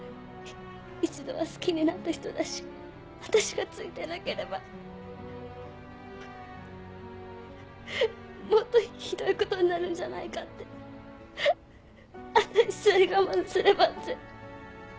一度は好きになった人だしわたしがついてなければもっとひどいことになるんじゃないかってわたしさえ我慢すればって。